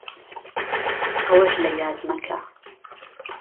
ئەوەش لەیاد مەکە